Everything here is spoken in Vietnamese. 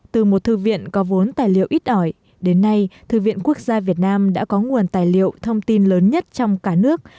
từ một thư viện có vốn tài liệu ít ỏi đến nay thư viện quốc gia việt nam đã có nguồn tài liệu thông tin lớn nhất trong cả nước